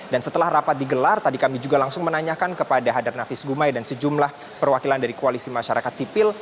dan setelah rapat digelar tadi kami juga langsung menanyakan kepada hadar nafis gumai dan sejumlah perwakilan dari koalisi masyarakat sipil